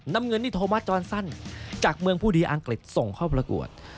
น้ำเงินนี่โทมัสจอนสั้นจากเมืองผู้ดีอังกฤษส่งเข้าประกวด